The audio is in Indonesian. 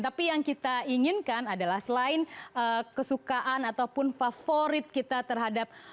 tapi yang kita inginkan adalah selain kesukaan ataupun favorit kita terhadap